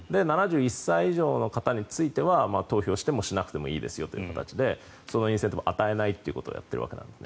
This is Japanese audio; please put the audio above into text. ７１歳以上の方については投票してもしなくてもいいですよという形でそのインセンティブを与えないということをやっているわけです。